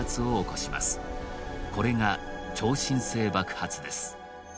これが超新星爆発です